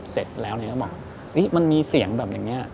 เสร็จแล้วก็บอกมันมีเสียงแบบอย่างนี้